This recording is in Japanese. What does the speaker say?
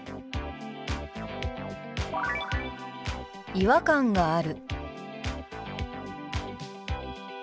「違和感がある」。